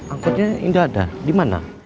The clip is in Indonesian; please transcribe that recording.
angkotnya tidak ada dimana